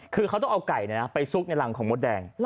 คือเขาต้องเอาไก่ไปซุกในรังของมดแดง